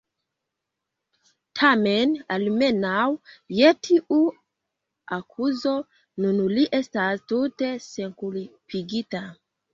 Tamen, almenaŭ je tiu akuzo, nun li estas tute senkulpigita.